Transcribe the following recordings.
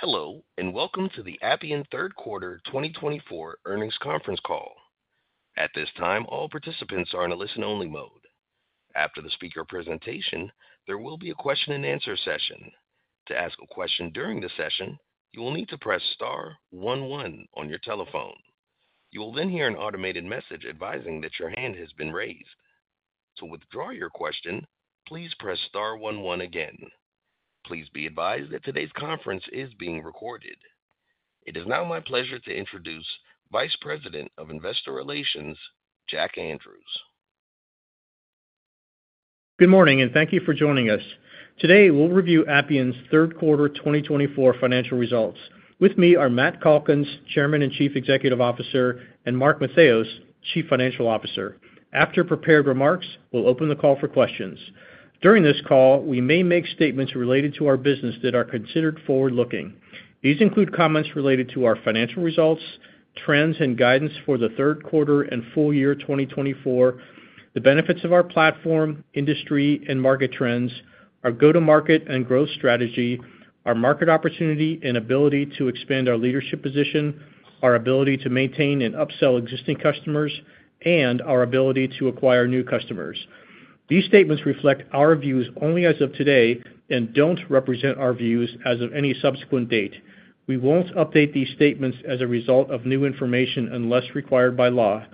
Hello, and welcome to the Appian Third Quarter 2024 earnings conference call. At this time, all participants are in a listen-only mode. After the speaker presentation, there will be a question-and-answer session. To ask a question during the session, you will need to press star one one on your telephone. You will then hear an automated message advising that your hand has been raised. To withdraw your question, please press star one one again. Please be advised that today's conference is being recorded. It is now my pleasure to introduce Vice President of Investor Relations, Jack Andrews. Good morning, and thank you for joining us. Today, we'll review Appian's Third Quarter 2024 financial results. With me are Matt Calkins, Chairman and Chief Executive Officer, and Mark Matheos, Chief Financial Officer. After prepared remarks, we'll open the call for questions. During this call, we may make statements related to our business that are considered forward-looking. These include comments related to our financial results, trends and guidance for the third quarter and full year 2024, the benefits of our platform, industry, and market trends, our go-to-market and growth strategy, our market opportunity and ability to expand our leadership position, our ability to maintain and upsell existing customers, and our ability to acquire new customers. These statements reflect our views only as of today and don't represent our views as of any subsequent date. We won't update these statements as a result of new information unless required by law.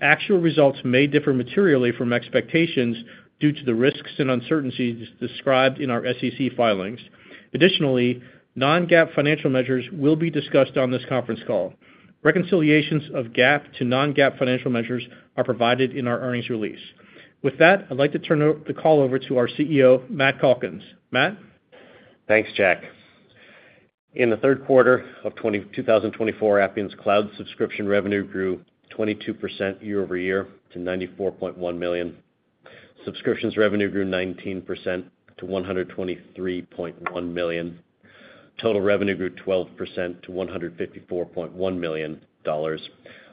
Actual results may differ materially from expectations due to the risks and uncertainties described in our SEC filings. Additionally, non-GAAP financial measures will be discussed on this conference call. Reconciliations of GAAP to non-GAAP financial measures are provided in our earnings release. With that, I'd like to turn the call over to our CEO, Matt Calkins. Matt. Thanks, Jack. In the third quarter of 2024, Appian's cloud subscription revenue grew 22% year-over-year to $94.1 million. Subscriptions revenue grew 19% to $123.1 million. Total revenue grew 12% to $154.1 million.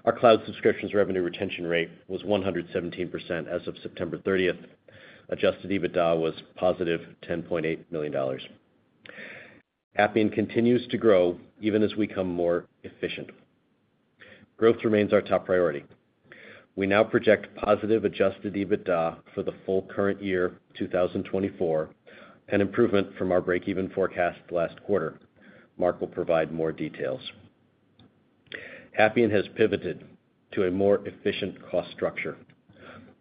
Our cloud subscriptions revenue retention rate was 117% as of September 30th. Adjusted EBITDA was positive $10.8 million. Appian continues to grow even as we become more efficient. Growth remains our top priority. We now project positive adjusted EBITDA for the full current year, 2024, an improvement from our break-even forecast last quarter. Mark will provide more details. Appian has pivoted to a more efficient cost structure.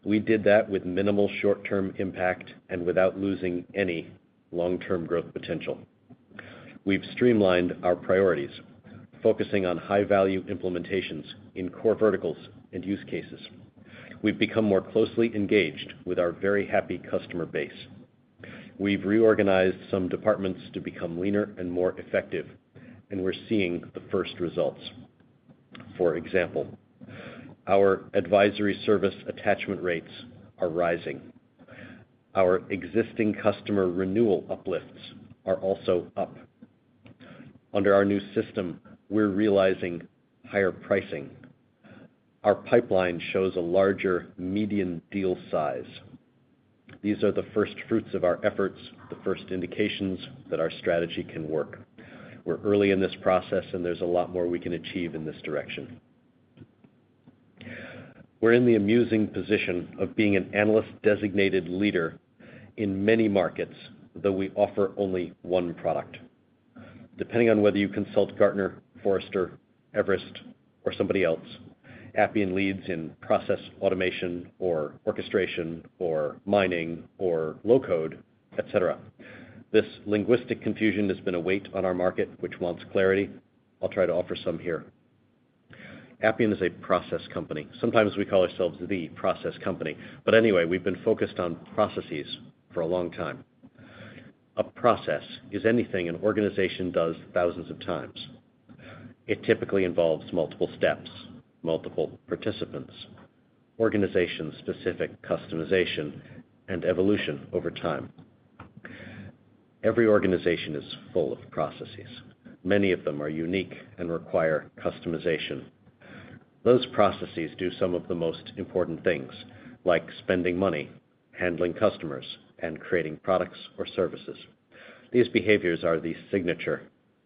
We did that with minimal short-term impact and without losing any long-term growth potential. We've streamlined our priorities, focusing on high-value implementations in core verticals and use cases. We've become more closely engaged with our very happy customer base. We've reorganized some departments to become leaner and more effective, and we're seeing the first results. For example, our advisory service attachment rates are rising. Our existing customer renewal uplifts are also up. Under our new system, we're realizing higher pricing. Our pipeline shows a larger median deal size. These are the first fruits of our efforts, the first indications that our strategy can work. We're early in this process, and there's a lot more we can achieve in this direction. We're in the amusing position of being an analyst-designated leader in many markets, though we offer only one product. Depending on whether you consult Gartner, Forrester, Everest, or somebody else, Appian leads in process automation or orchestration or mining or low-code, etc. This linguistic confusion has been a weight on our market, which wants clarity. I'll try to offer some here. Appian is a process company. Sometimes we call ourselves the process company. But anyway, we've been focused on processes for a long time. A process is anything an organization does thousands of times. It typically involves multiple steps, multiple participants, organization-specific customization, and evolution over time. Every organization is full of processes. Many of them are unique and require customization. Those processes do some of the most important things, like spending money, handling customers, and creating products or services. These behaviors are the signature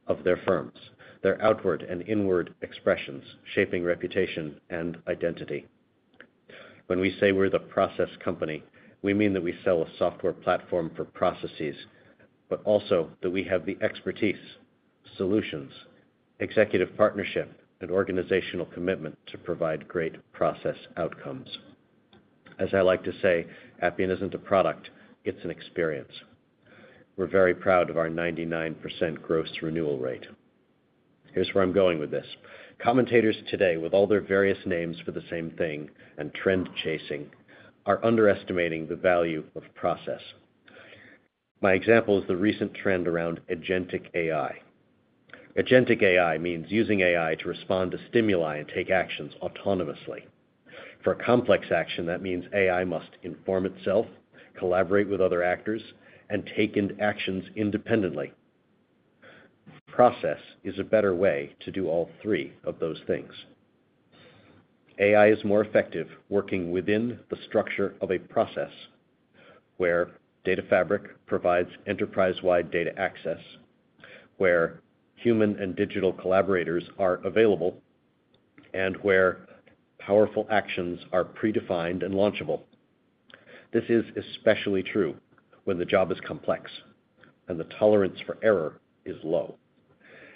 of their firms. They're outward and inward expressions shaping reputation and identity. When we say we're the process company, we mean that we sell a software platform for processes, but also that we have the expertise, solutions, executive partnership, and organizational commitment to provide great process outcomes. As I like to say, Appian isn't a product. It's an experience. We're very proud of our 99% gross renewal rate. Here's where I'm going with this. Commentators today, with all their various names for the same thing and trend chasing, are underestimating the value of process. My example is the recent trend around agentic AI. Agentic AI means using AI to respond to stimuli and take actions autonomously. For a complex action, that means AI must inform itself, collaborate with other actors, and take actions independently. Process is a better way to do all three of those things. AI is more effective working within the structure of a process where Data Fabric provides enterprise-wide data access, where human and digital collaborators are available, and where powerful actions are predefined and launchable. This is especially true when the job is complex and the tolerance for error is low.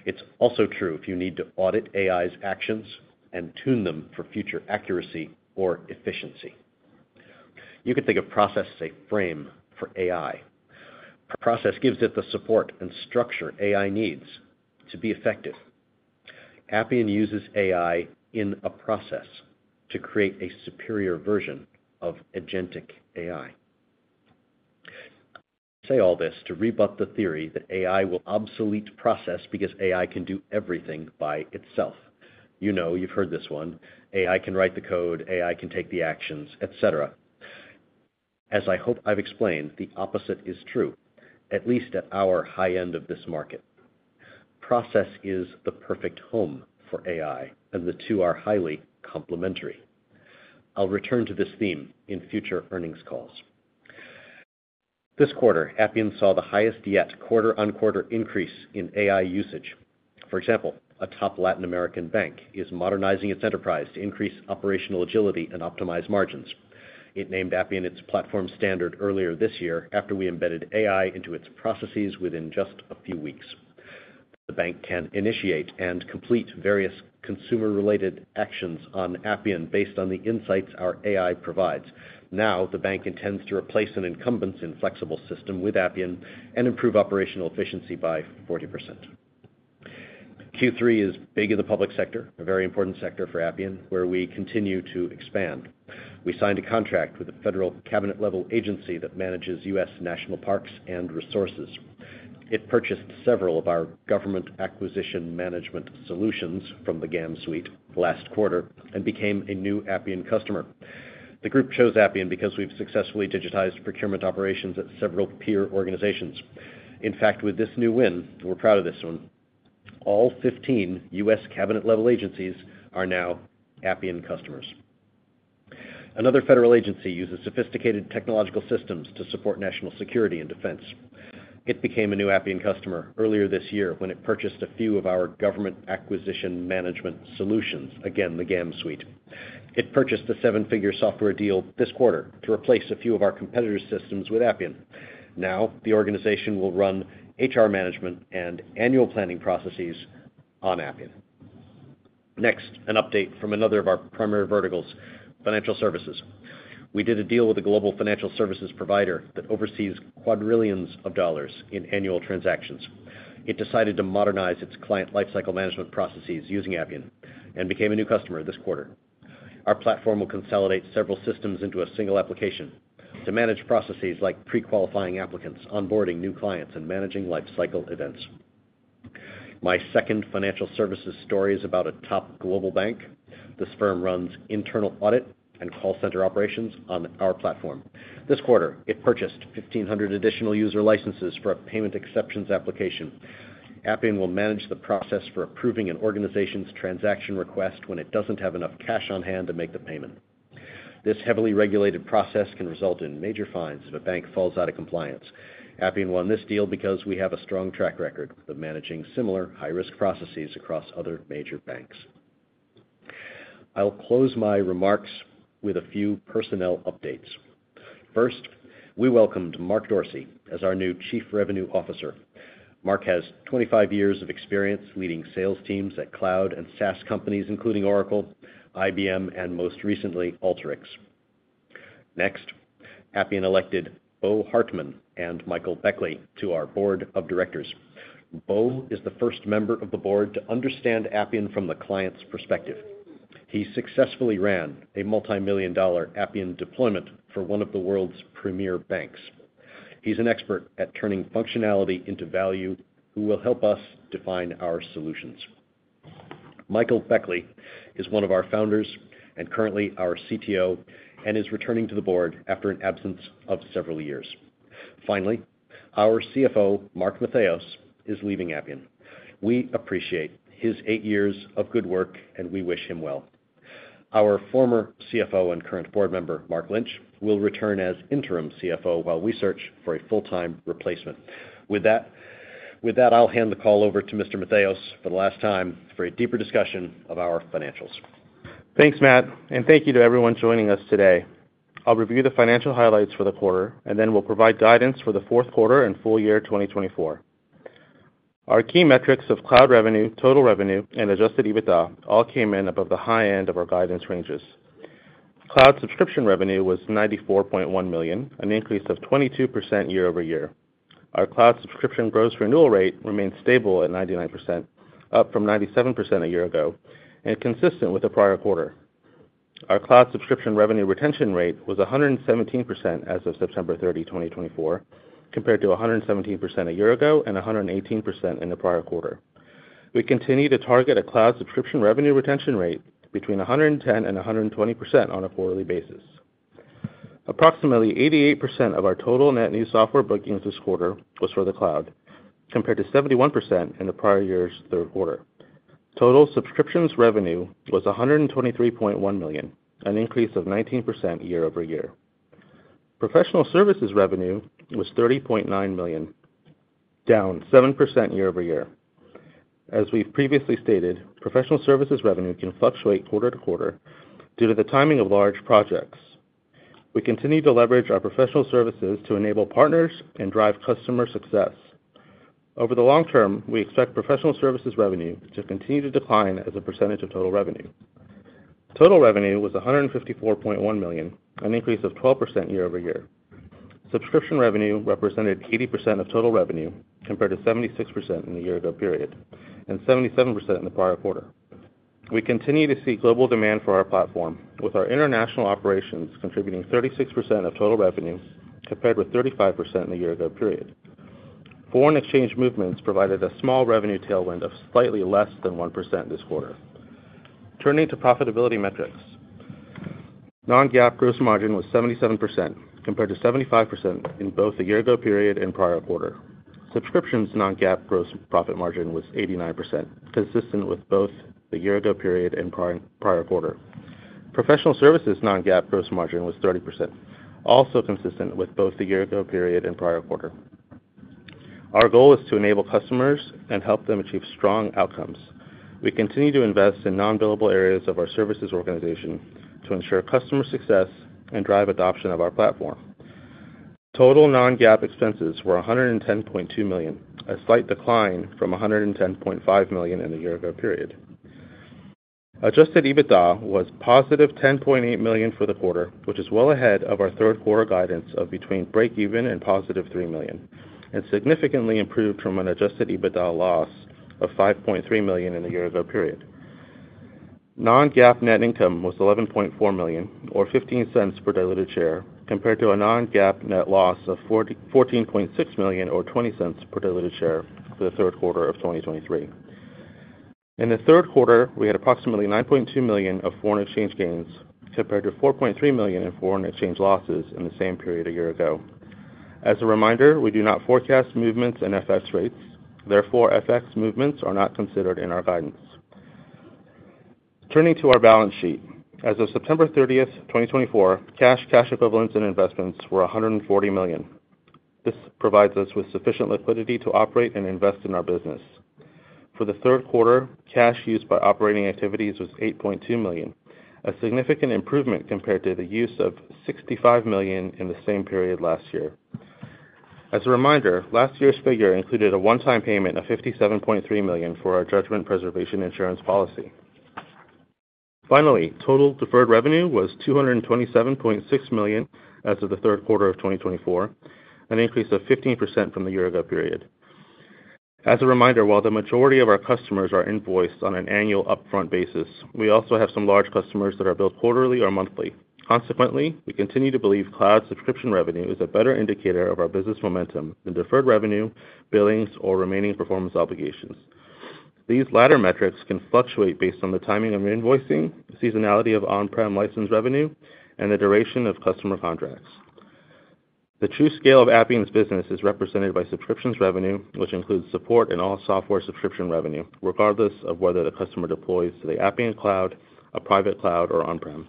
It's also true if you need to audit AI's actions and tune them for future accuracy or efficiency. You could think of process as a frame for AI. Process gives it the support and structure AI needs to be effective. Appian uses AI in a process to create a superior version of agentic AI. I say all this to rebut the theory that AI will obsolete process because AI can do everything by itself. You know, you've heard this one: AI can write the code, AI can take the actions, etc. As I hope I've explained, the opposite is true, at least at our high end of this market. Process is the perfect home for AI, and the two are highly complementary. I'll return to this theme in future earnings calls. This quarter, Appian saw the highest yet quarter-on-quarter increase in AI usage. For example, a top Latin American bank is modernizing its enterprise to increase operational agility and optimize margins. It named Appian its platform standard earlier this year after we embedded AI into its processes within just a few weeks. The bank can initiate and complete various consumer-related actions on Appian based on the insights our AI provides. Now, the bank intends to replace an incumbent's inflexible system with Appian and improve operational efficiency by 40%. Q3 is big in the public sector, a very important sector for Appian, where we continue to expand. We signed a contract with a federal cabinet-level agency that manages U.S. national parks and resources. It purchased several of our Government Acquisition Management solutions from the GAM suite last quarter and became a new Appian customer. The group chose Appian because we've successfully digitized procurement operations at several peer organizations. In fact, with this new win, we're proud of this one. All 15 U.S. cabinet-level agencies are now Appian customers. Another federal agency uses sophisticated technological systems to support national security and defense. It became a new Appian customer earlier this year when it purchased a few of our Government Acquisition Management solutions, again the GAM suite. It purchased a seven-figure software deal this quarter to replace a few of our competitor systems with Appian. Now, the organization will run HR management and annual planning processes on Appian. Next, an update from another of our primary verticals, financial services. We did a deal with a global financial services provider that oversees quadrillions of dollars in annual transactions. It decided to modernize its client lifecycle management processes using Appian and became a new customer this quarter. Our platform will consolidate several systems into a single application to manage processes like pre-qualifying applicants, onboarding new clients, and managing lifecycle events. My second financial services story is about a top global bank. This firm runs internal audit and call center operations on our platform. This quarter, it purchased 1,500 additional user licenses for a payment exceptions application. Appian will manage the process for approving an organization's transaction request when it doesn't have enough cash on hand to make the payment. This heavily regulated process can result in major fines if a bank falls out of compliance. Appian won this deal because we have a strong track record of managing similar high-risk processes across other major banks. I'll close my remarks with a few personnel updates. First, we welcomed Mark Dorsey as our new Chief Revenue Officer. Mark has 25 years of experience leading sales teams at cloud and SaaS companies, including Oracle, IBM, and most recently, Alteryx. Next, Appian elected Bo Hartman and Michael Beckley to our Board of Directors. Bo is the first member of the Board to understand Appian from the client's perspective. He successfully ran a multi-million-dollar Appian deployment for one of the world's premier banks. He's an expert at turning functionality into value who will help us define our solutions. Michael Beckley is one of our founders and currently our Chief Technology Officer and is returning to the Board after an absence of several years. Finally, our Chief Financial Officer, Mark Matheos, is leaving Appian. We appreciate his eight years of good work, and we wish him well. Our former Chief Financial Officer and current Board member, Mark Lynch, will return as interim Chief Financial Officer while we search for a full-time replacement. With that, I'll hand the call over to Mr. Matheos for the last time for a deeper discussion of our financials. Thanks, Matt, and thank you to everyone joining us today. I'll review the financial highlights for the quarter, and then we'll provide guidance for the fourth quarter and full year 2024. Our key metrics of cloud revenue, total revenue, and Adjusted EBITDA all came in above the high end of our guidance ranges. Cloud subscription revenue was $94.1 million, an increase of 22% year-over-year. Our cloud subscription gross renewal rate remained stable at 99%, up from 97% a year ago, and consistent with the prior quarter. Our cloud subscription revenue retention rate was 117% as of September 30, 2024, compared to 117% a year ago and 118% in the prior quarter. We continue to target a cloud subscription revenue retention rate between 110% and 120% on a quarterly basis. Approximately 88% of our total net new software bookings this quarter was for the cloud, compared to 71% in the prior year's third quarter. Total subscription revenue was $123.1 million, an increase of 19% year-over-year. Professional services revenue was $30.9 million, down 7% year-over-year. As we've previously stated, professional services revenue can fluctuate quarter to quarter due to the timing of large projects. We continue to leverage our professional services to enable partners and drive customer success. Over the long term, we expect professional services revenue to continue to decline as a percentage of total revenue. Total revenue was $154.1 million, an increase of 12% year-over-year. Subscription revenue represented 80% of total revenue, compared to 76% in the year ago period and 77% in the prior quarter. We continue to see global demand for our platform, with our international operations contributing 36% of total revenue, compared with 35% in the year ago period. Foreign exchange movements provided a small revenue tailwind of slightly less than 1% this quarter. Turning to profitability metrics, non-GAAP gross margin was 77%, compared to 75% in both the year ago period and prior quarter. Subscriptions non-GAAP gross profit margin was 89%, consistent with both the year ago period and prior quarter. Professional services non-GAAP gross margin was 30%, also consistent with both the year ago period and prior quarter. Our goal is to enable customers and help them achieve strong outcomes. We continue to invest in non-billable areas of our services organization to ensure customer success and drive adoption of our platform. Total non-GAAP expenses were $110.2 million, a slight decline from $110.5 million in the year ago period. Adjusted EBITDA was positive $10.8 million for the quarter, which is well ahead of our third quarter guidance of between break-even and positive $3 million, and significantly improved from an adjusted EBITDA loss of $5.3 million in the year ago period. Non-GAAP net income was $11.4 million, or $0.15 per diluted share, compared to a Non-GAAP net loss of $14.6 million, or $0.20 per diluted share for the third quarter of 2023. In the third quarter, we had approximately $9.2 million of foreign exchange gains compared to $4.3 million in foreign exchange losses in the same period a year ago. As a reminder, we do not forecast movements in FX rates. Therefore, FX movements are not considered in our guidance. Turning to our balance sheet, as of September 30, 2024, cash, cash equivalents, and investments were $140 million. This provides us with sufficient liquidity to operate and invest in our business. For the third quarter, cash used by operating activities was $8.2 million, a significant improvement compared to the use of $65 million in the same period last year. As a reminder, last year's figure included a one-time payment of $57.3 million for our Judgment Preservation Insurance policy. Finally, total deferred revenue was $227.6 million as of the third quarter of 2024, an increase of 15% from the year ago period. As a reminder, while the majority of our customers are invoiced on an annual upfront basis, we also have some large customers that are billed quarterly or monthly. Consequently, we continue to believe cloud subscription revenue is a better indicator of our business momentum than deferred revenue, billings, or remaining performance obligations. These latter metrics can fluctuate based on the timing of invoicing, the seasonality of on-prem license revenue, and the duration of customer contracts. The true scale of Appian's business is represented by subscriptions revenue, which includes support and all software subscription revenue, regardless of whether the customer deploys to the Appian Cloud, a private cloud, or on-prem.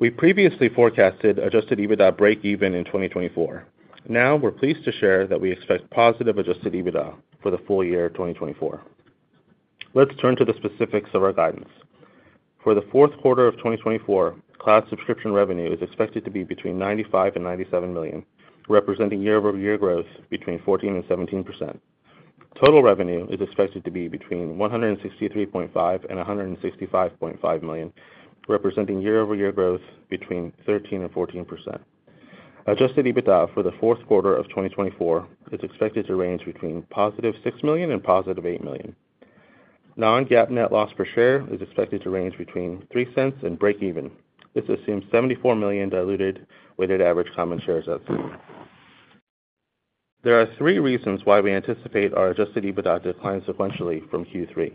We previously forecasted adjusted EBITDA break-even in 2024. Now, we're pleased to share that we expect positive adjusted EBITDA for the full year 2024. Let's turn to the specifics of our guidance. For the fourth quarter of 2024, cloud subscription revenue is expected to be between $95-$97 million, representing year-over-year growth between 14%-17%. Total revenue is expected to be between $163.5-$165.5 million, representing year-over-year growth between 13%-14%. Adjusted EBITDA for the fourth quarter of 2024 is expected to range between positive $6 million and positive $8 million. Non-GAAP net loss per share is expected to range between $0.03 and break-even. This assumes $74 million diluted with an average common shares estimate. There are three reasons why we anticipate our adjusted EBITDA declines sequentially from Q3.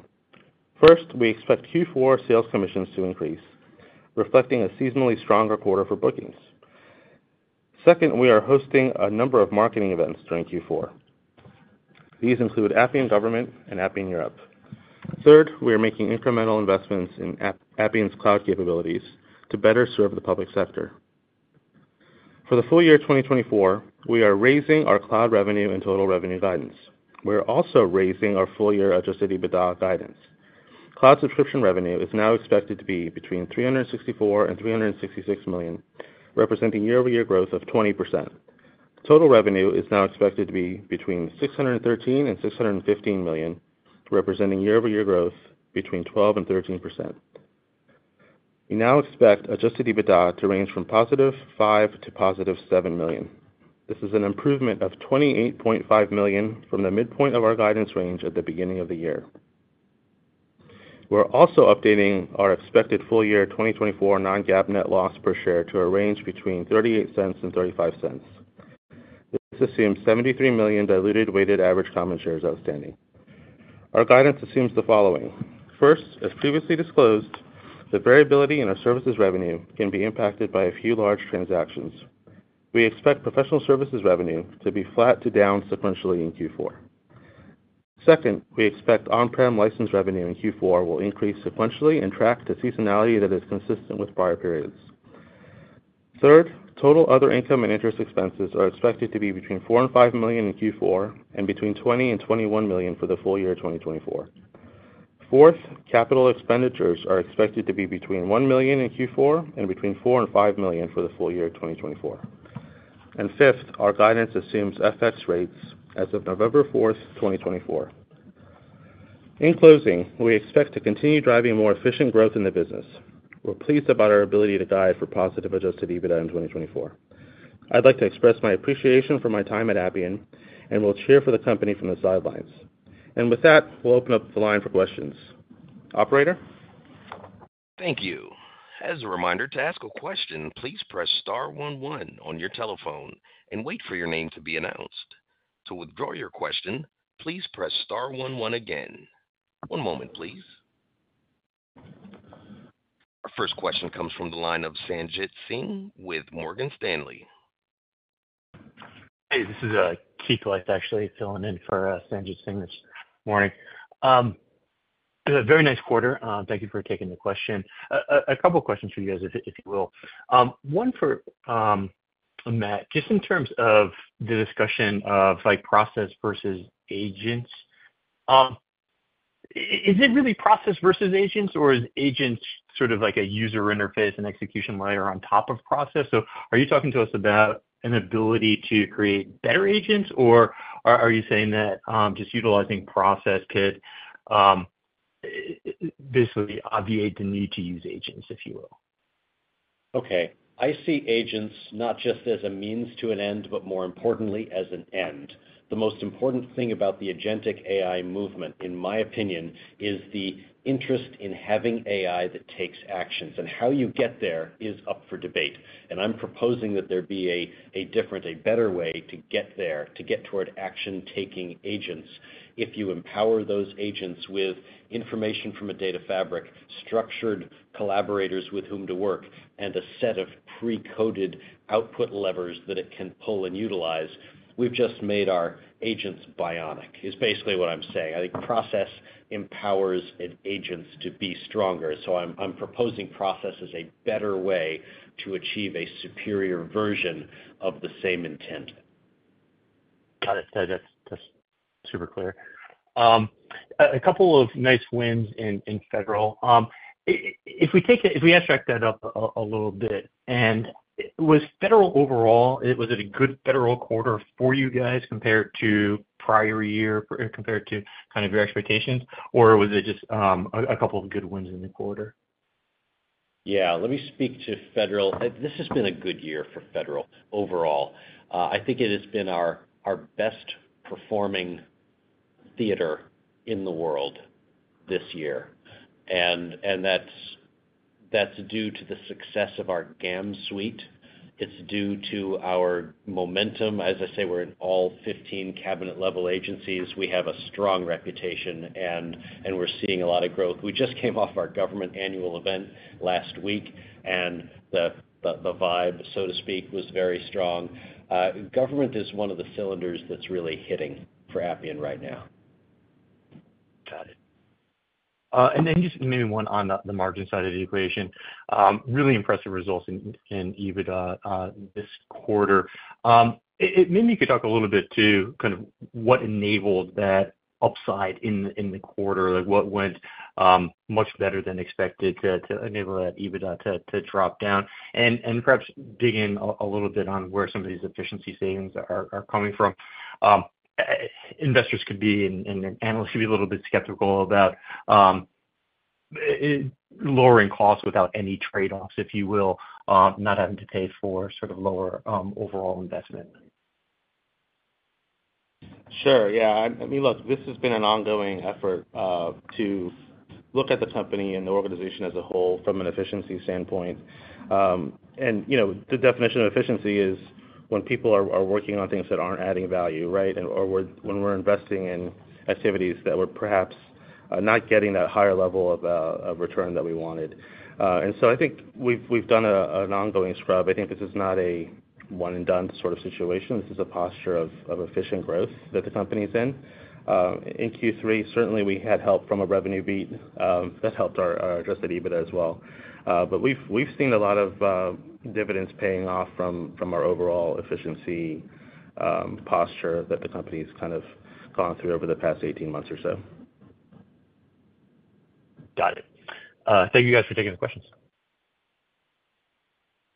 First, we expect Q4 sales commissions to increase, reflecting a seasonally stronger quarter for bookings. Second, we are hosting a number of marketing events during Q4. These include Appian Government and Appian Europe. Third, we are making incremental investments in Appian's cloud capabilities to better serve the public sector. For the full year 2024, we are raising our cloud revenue and total revenue guidance. We are also raising our full year adjusted EBITDA guidance. Cloud subscription revenue is now expected to be between $364 million and $366 million, representing year-over-year growth of 20%. Total revenue is now expected to be between $613 million and $615 million, representing year-over-year growth between 12% and 13%. We now expect Adjusted EBITDA to range from positive $5 million to positive $7 million. This is an improvement of $28.5 million from the midpoint of our guidance range at the beginning of the year. We're also updating our expected full year 2024 non-GAAP net loss per share to a range between $0.38 and $0.35. This assumes $73 million diluted weighted average common shares outstanding. Our guidance assumes the following. First, as previously disclosed, the variability in our services revenue can be impacted by a few large transactions. We expect professional services revenue to be flat to down sequentially in Q4. Second, we expect on-prem license revenue in Q4 will increase sequentially and track to seasonality that is consistent with prior periods. Third, total other income and interest expenses are expected to be between $4 and $5 million in Q4 and between $20 and $21 million for the full year 2024. Fourth, capital expenditures are expected to be between $1 million in Q4 and between $4 and $5 million for the full year 2024. And fifth, our guidance assumes FX rates as of November 4, 2024. In closing, we expect to continue driving more efficient growth in the business. We're pleased about our ability to guide for positive Adjusted EBITDA in 2024. I'd like to express my appreciation for my time at Appian and will cheer for the company from the sidelines. And with that, we'll open up the line for questions. Operator? Thank you. As a reminder to ask a question, please press star one one on your telephone and wait for your name to be announced. To withdraw your question, please press star one one again. One moment, please. Our first question comes from the line of Sanjit Singh with Morgan Stanley. Hey, this is Keith Weiss, actually filling in for Sanjit Singh this morning. Very nice quarter. Thank you for taking the question. A couple of questions for you guys, if you will. One for Matt, just in terms of the discussion of process versus agents. Is it really process versus agents, or is agents sort of like a user interface and execution layer on top of process? So are you talking to us about an ability to create better agents, or are you saying that just utilizing process could basically obviate the need to use agents, if you will? Okay. I see agents not just as a means to an end, but more importantly, as an end. The most important thing about the agentic AI movement, in my opinion, is the interest in having AI that takes actions, and how you get there is up for debate, and I'm proposing that there be a different, a better way to get there, to get toward action-taking agents. If you empower those agents with information from a data fabric, structured collaborators with whom to work, and a set of pre-coded output levers that it can pull and utilize, we've just made our agents bionic, is basically what I'm saying. I think process empowers agents to be stronger, so I'm proposing process as a better way to achieve a superior version of the same intent. Got it. That's super clear. A couple of nice wins in federal. If we abstract that up a little bit, and was federal overall, was it a good federal quarter for you guys compared to prior year, compared to kind of your expectations, or was it just a couple of good wins in the quarter? Yeah. Let me speak to federal. This has been a good year for federal overall. I think it has been our best-performing theater in the world this year, and that's due to the success of our GAM suite. It's due to our momentum. As I say, we're in all 15 cabinet-level agencies. We have a strong reputation, and we're seeing a lot of growth. We just came off our government annual event last week, and the vibe, so to speak, was very strong. Government is one of the cylinders that's really hitting for Appian right now. Got it. And then just maybe one on the margin side of the equation. Really impressive results in EBITDA this quarter. Maybe you could talk a little bit to kind of what enabled that upside in the quarter, what went much better than expected to enable that EBITDA to drop down, and perhaps dig in a little bit on where some of these efficiency savings are coming from. Investors could be and analysts could be a little bit skeptical about lowering costs without any trade-offs, if you will, not having to pay for sort of lower overall investment. Sure. Yeah. I mean, look, this has been an ongoing effort to look at the company and the organization as a whole from an efficiency standpoint, and the definition of efficiency is when people are working on things that aren't adding value, right, or when we're investing in activities that we're perhaps not getting that higher level of return that we wanted, and so I think we've done an ongoing scrub. I think this is not a one-and-done sort of situation. This is a posture of efficient growth that the company's in. In Q3, certainly, we had help from a revenue beat that helped our Adjusted EBITDA as well, but we've seen a lot of dividends paying off from our overall efficiency posture that the company's kind of gone through over the past 18 months or so. Got it. Thank you guys for taking the questions.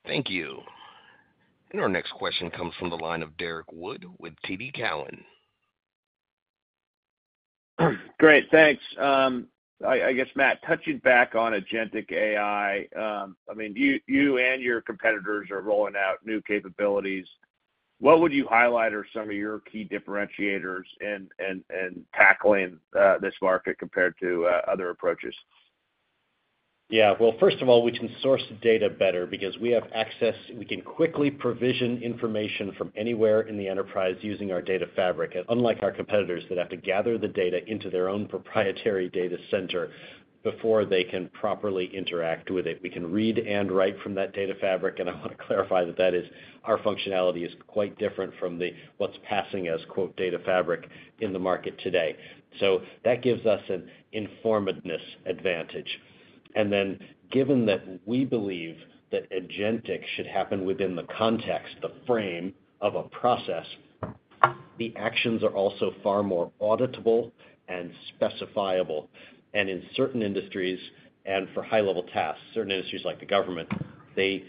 Thank you. And our next question comes from the line of Derrick Wood with TD Cowen. Great. Thanks. I guess, Matt, touching back on agentic AI, I mean, you and your competitors are rolling out new capabilities. What would you highlight are some of your key differentiators in tackling this market compared to other approaches? Yeah. Well, first of all, we can source data better because we have access. We can quickly provision information from anywhere in the enterprise using our Data Fabric. Unlike our competitors that have to gather the data into their own proprietary data center before they can properly interact with it. We can read and write from that Data Fabric. And I want to clarify that our functionality is quite different from what's passing as "Data Fabric" in the market today. So that gives us an informedness advantage. And then, given that we believe that agentic should happen within the context, the frame of a process, the actions are also far more auditable and specifiable. And in certain industries and for high-level tasks, certain industries like the government, they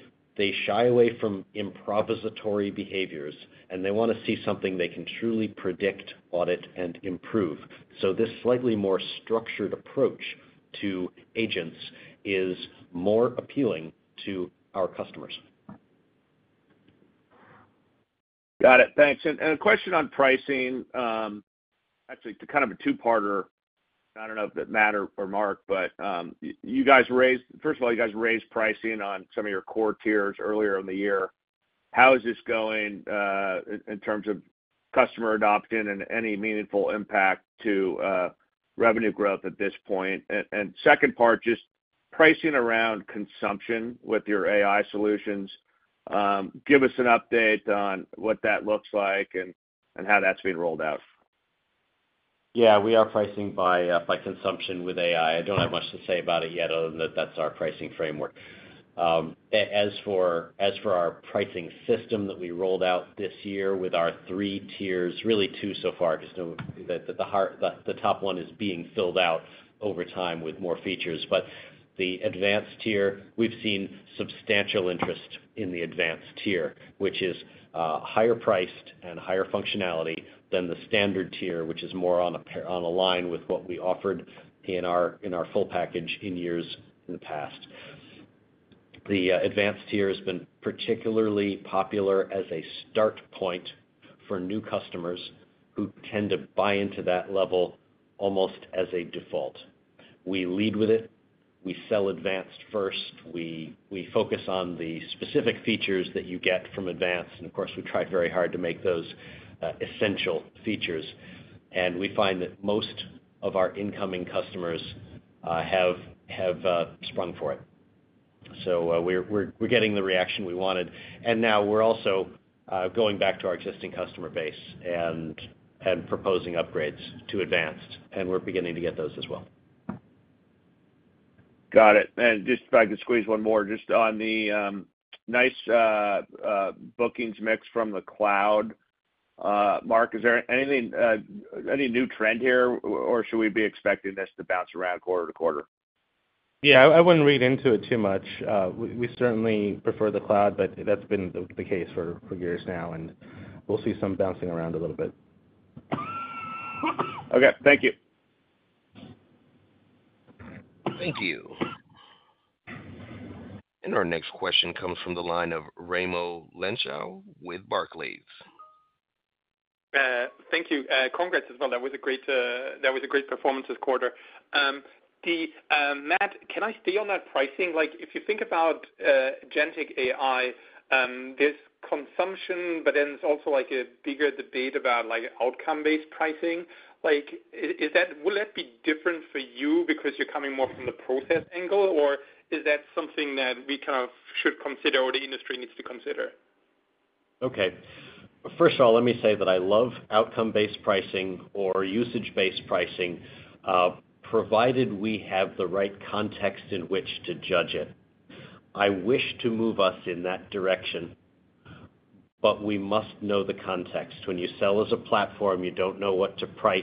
shy away from improvisatory behaviors, and they want to see something they can truly predict, audit, and improve. This slightly more structured approach to agents is more appealing to our customers. Got it. Thanks. And a question on pricing. Actually, kind of a two-parter. I don't know if Matt or Mark, but you guys raised, first of all, you guys raised pricing on some of your core tiers earlier in the year. How is this going in terms of customer adoption and any meaningful impact to revenue growth at this point? And second part, just pricing around consumption with your AI solutions. Give us an update on what that looks like and how that's being rolled out. Yeah. We are pricing by consumption with AI. I don't have much to say about it yet other than that that's our pricing framework. As for our pricing system that we rolled out this year with our three tiers, really two so far, because the top one is being filled out over time with more features. But the Advanced tier, we've seen substantial interest in the Advanced tier, which is higher priced and higher functionality than the Standard tier, which is more in line with what we offered in our full package in years in the past. The Advanced tier has been particularly popular as a starting point for new customers who tend to buy into that level almost as a default. We lead with it. We sell advanced first. We focus on the specific features that you get from advanced. And of course, we try very hard to make those essential features. And we find that most of our incoming customers have sprung for it. So we're getting the reaction we wanted. And now we're also going back to our existing customer base and proposing upgrades to advanced. And we're beginning to get those as well. Got it, and just if I could squeeze one more, just on the nice bookings mix from the cloud, Mark. Is there any new trend here, or should we be expecting this to bounce around quarter-to-quarter? Yeah. I wouldn't read into it too much. We certainly prefer the cloud, but that's been the case for years now. And we'll see some bouncing around a little bit. Okay. Thank you. Thank you. And our next question comes from the line of Raimo Lenschow with Barclays. Thank you. Congrats as well. That was a great performance this quarter. Matt, can I stay on that pricing? If you think about agentic AI, there's consumption, but then there's also a bigger debate about outcome-based pricing. Will that be different for you because you're coming more from the process angle, or is that something that we kind of should consider or the industry needs to consider? Okay. First of all, let me say that I love outcome-based pricing or usage-based pricing, provided we have the right context in which to judge it. I wish to move us in that direction, but we must know the context. When you sell as a platform, you don't know what to price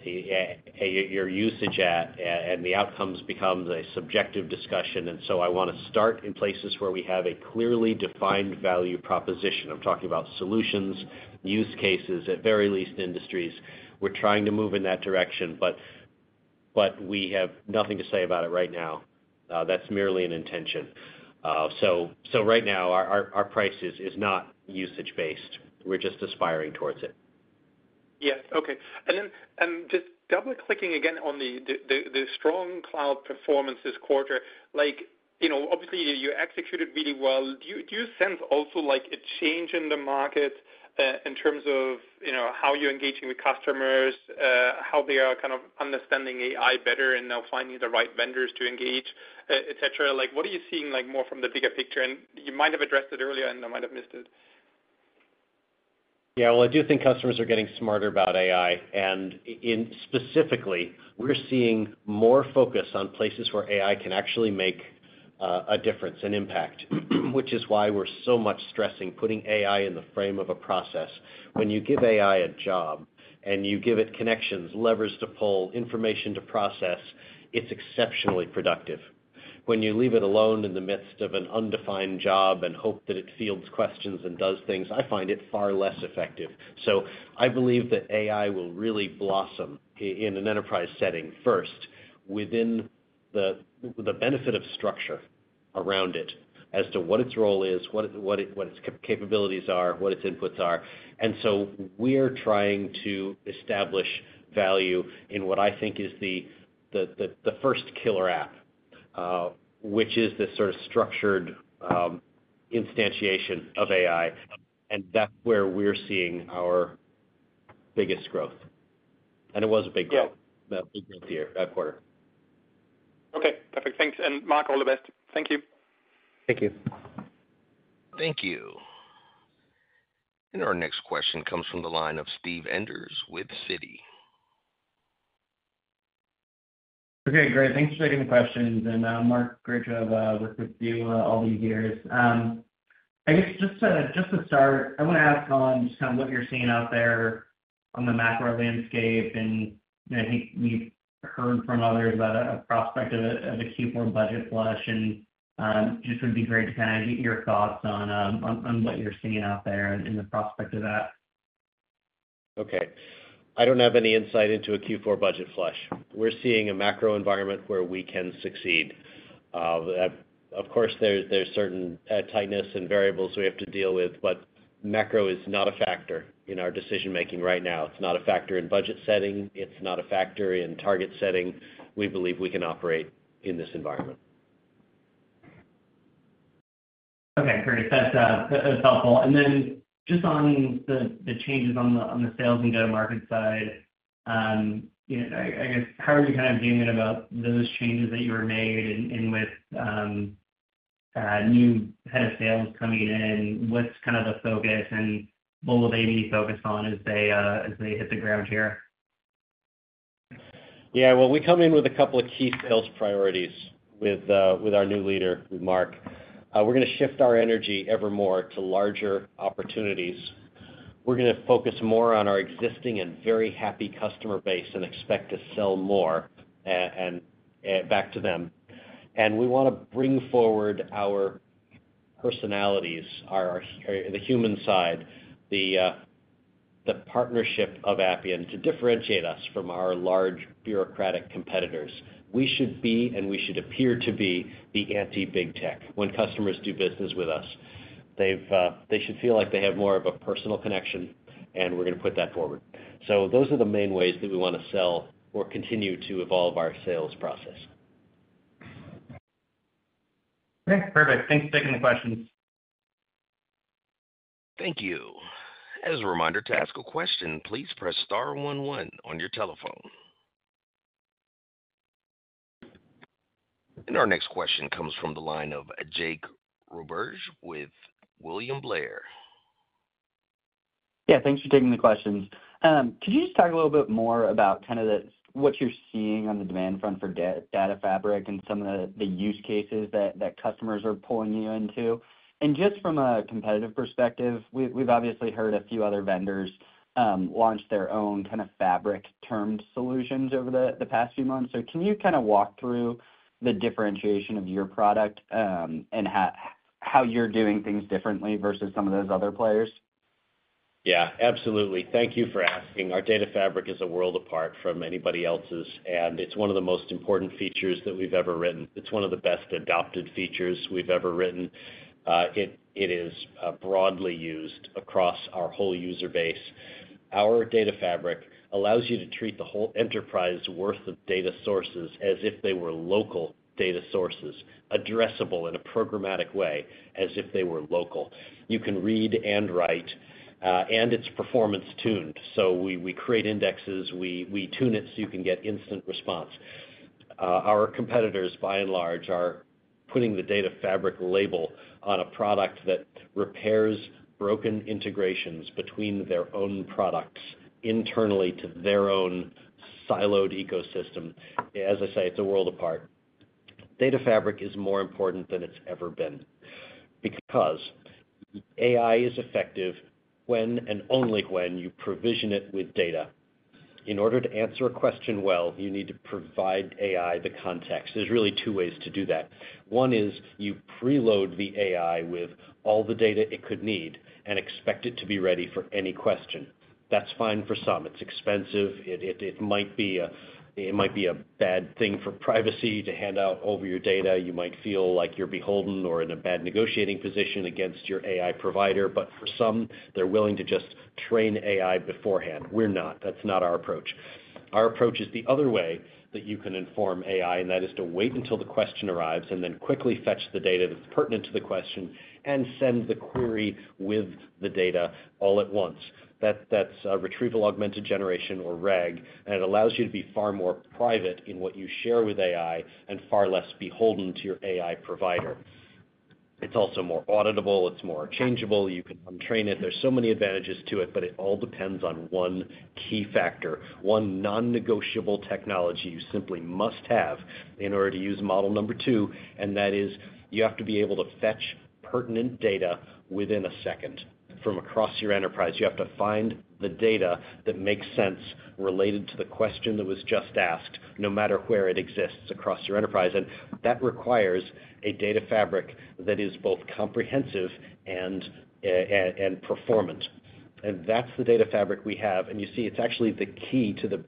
your usage at, and the outcomes become a subjective discussion. And so I want to start in places where we have a clearly defined value proposition. I'm talking about solutions, use cases, at very least industries. We're trying to move in that direction, but we have nothing to say about it right now. That's merely an intention. So right now, our price is not usage-based. We're just aspiring towards it. Yeah. Okay. And then just double-clicking again on the strong cloud performance this quarter, obviously, you executed really well. Do you sense also a change in the market in terms of how you're engaging with customers, how they are kind of understanding AI better and now finding the right vendors to engage, etc.? What are you seeing more from the bigger picture? And you might have addressed it earlier, and I might have missed it. Yeah. Well, I do think customers are getting smarter about AI. And specifically, we're seeing more focus on places where AI can actually make a difference, an impact, which is why we're so much stressing putting AI in the frame of a process. When you give AI a job and you give it connections, levers to pull, information to process, it's exceptionally productive. When you leave it alone in the midst of an undefined job and hope that it fields questions and does things, I find it far less effective. So I believe that AI will really blossom in an enterprise setting first within the benefit of structure around it as to what its role is, what its capabilities are, what its inputs are. And so we're trying to establish value in what I think is the first killer app, which is this sort of structured instantiation of AI. And that's where we're seeing our biggest growth. And it was a big growth that quarter. Okay. Perfect. Thanks. And Mark, all the best. Thank you. Thank you. Thank you. Our next question comes from the line of Steve Enders with Citi. Okay. Great. Thanks for taking the questions. And Mark, great to have worked with you all these years. I guess just to start, I want to ask on just kind of what you're seeing out there on the macro landscape. And I think we've heard from others about a prospect of a Q4 budget flush. And just would be great to kind of get your thoughts on what you're seeing out there and the prospect of that. Okay. I don't have any insight into a Q4 budget flush. We're seeing a macro environment where we can succeed. Of course, there's certain tightness and variables we have to deal with, but macro is not a factor in our decision-making right now. It's not a factor in budget setting. It's not a factor in target setting. We believe we can operate in this environment. Okay. Great. That's helpful. And then just on the changes on the sales and go-to-market side, I guess, how are you kind of viewing it about those changes that you were made and with new head of sales coming in? What's kind of the focus, and what will they be focused on as they hit the ground here? Yeah. Well, we come in with a couple of key sales priorities with our new leader, with Mark. We're going to shift our energy ever more to larger opportunities. We're going to focus more on our existing and very happy customer base and expect to sell more back to them. And we want to bring forward our personalities, the human side, the partnership of Appian to differentiate us from our large bureaucratic competitors. We should be, and we should appear to be, the anti-big tech when customers do business with us. They should feel like they have more of a personal connection, and we're going to put that forward. So those are the main ways that we want to sell or continue to evolve our sales process. Okay. Perfect. Thanks for taking the questions. Thank you. As a reminder to ask a question, please press star one one on your telephone. And our next question comes from the line of Jake Roberge with William Blair. Yeah. Thanks for taking the questions. Could you just talk a little bit more about kind of what you're seeing on the demand front for Data Fabric and some of the use cases that customers are pulling you into, and just from a competitive perspective, we've obviously heard a few other vendors launch their own kind of fabric-termed solutions over the past few months, so can you kind of walk through the differentiation of your product and how you're doing things differently versus some of those other players? Yeah. Absolutely. Thank you for asking. Our Data Fabric is a world apart from anybody else's, and it's one of the most important features that we've ever written. It's one of the best adopted features we've ever written. It is broadly used across our whole user base. Our Data Fabric allows you to treat the whole enterprise worth of data sources as if they were local data sources, addressable in a programmatic way as if they were local. You can read and write, and it's performance-tuned. So we create indexes. We tune it so you can get instant response. Our competitors, by and large, are putting the Data Fabric label on a product that repairs broken integrations between their own products internally to their own siloed ecosystem. As I say, it's a world apart. Data Fabric is more important than it's ever been because AI is effective when and only when you provision it with data. In order to answer a question well, you need to provide AI the context. There's really two ways to do that. One is you preload the AI with all the data it could need and expect it to be ready for any question. That's fine for some. It's expensive. It might be a bad thing for privacy to hand over your data. You might feel like you're beholden or in a bad negotiating position against your AI provider. But for some, they're willing to just train AI beforehand. We're not. That's not our approach. Our approach is the other way that you can inform AI, and that is to wait until the question arrives and then quickly fetch the data that's pertinent to the question and send the query with the data all at once. That's Retrieval-Augmented Generation or RAG, and it allows you to be far more private in what you share with AI and far less beholden to your AI provider. It's also more auditable. It's more changeable. You can untrain it. There's so many advantages to it, but it all depends on one key factor, one non-negotiable technology you simply must have in order to use model number two, and that is you have to be able to fetch pertinent data within a second from across your enterprise. You have to find the data that makes sense related to the question that was just asked, no matter where it exists across your enterprise. And that requires a Data Fabric that is both comprehensive and performant. And that's the Data Fabric we have. And you see, it's actually the key to the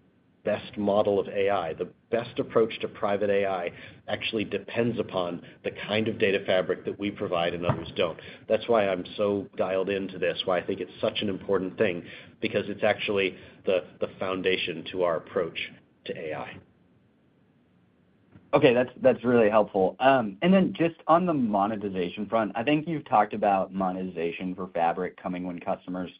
best model of AI. The best approach to private AI actually depends upon the kind of Data Fabric that we provide and others don't. That's why I'm so dialed into this, why I think it's such an important thing, because it's actually the foundation to our approach to AI. Okay. That's really helpful. And then just on the monetization front, I think you've talked about monetization for Data Fabric coming when customers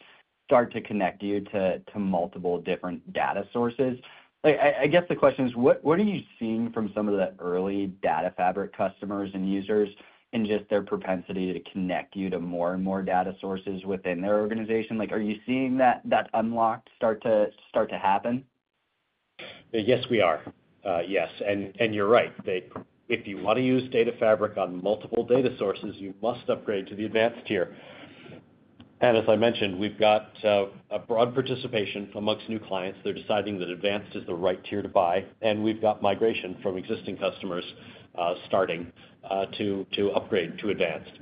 start to connect you to multiple different data sources. I guess the question is, what are you seeing from some of the early Data Fabric customers and users in just their propensity to connect you to more and more data sources within their organization? Are you seeing that unlock start to happen? Yes, we are. Yes. And you're right. If you want to use Data Fabric on multiple data sources, you must upgrade to the Advanced tier. And as I mentioned, we've got a broad participation amongst new clients. They're deciding that advanced is the right tier to buy. And we've got migration from existing customers starting to upgrade to advanced.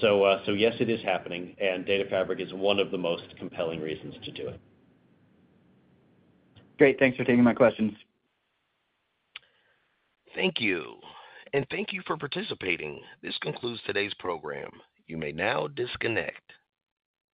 So yes, it is happening. And Data Fabric is one of the most compelling reasons to do it. Great. Thanks for taking my questions. Thank you, and thank you for participating. This concludes today's program. You may now disconnect.